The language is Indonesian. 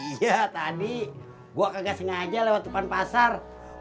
iya tadi gue kagak sengaja lewat depan pasar